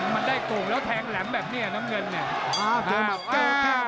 มันได้โก่งแล้วแทงแหลมแบบนี้น้ำเงินเนี่ย